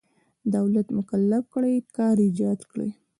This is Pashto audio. دولت مکلف کړی کار ایجاد کړي.